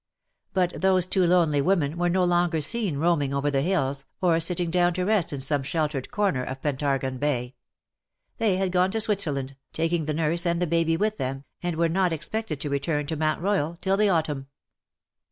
But those two lonely women were no longer seen roaming over the hills, or sitting down to rest in some sheltered corner of Pentargon Bay. They had gone to Switzerland, taking the nurse and baby with them, and were not expected to return to Mount Boyal till the autumn. Mr.